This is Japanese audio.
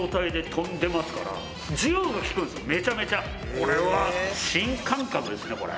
これは新感覚ですねこれ。